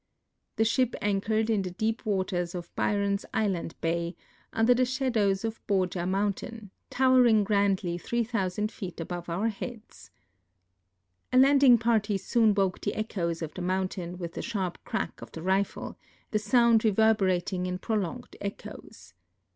The ship anchored in the deep waters of Byron's Island bay. under the shadow of Borja mountain, towering grandly 3,000 feet above our heads. A landing party soon woke the echoes of the moun tain with the sharp crack of the rifle, the sound reverberating in prolonged echoes.